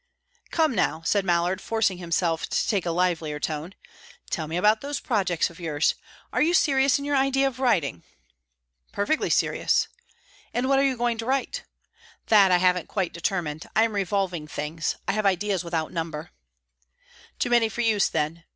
"Come now," said Mallard, forcing himself to take a livelier tone, "tell me about those projects of yours. Are you serious in your idea of writing?" "Perfectly serious." "And what are you going to write?" "That I haven't quite determined. I am revolving things. I have ideas without number." "Too many for use, then.